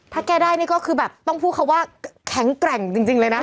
ถ้าแกได้นี่ก็คือแบบต้องพูดคำว่าแข็งแกร่งจริงเลยนะ